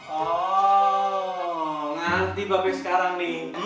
oh nanti bapak sekarang nih